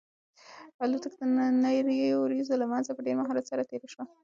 الوتکه د نريو وريځو له منځه په ډېر مهارت سره تېره شوه.